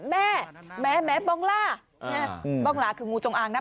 แม่แม่บองล่าบองลาคืองูจงอางนะ